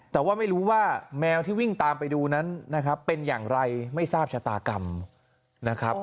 แต่ว่าไม่รู้ว่าแมวที่วิ่งตามไปดูนั้นนะครับเป็นอย่างไรไม่ทราบชะตากรรมนะครับ